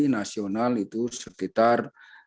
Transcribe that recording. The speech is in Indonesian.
nasional itu sekitar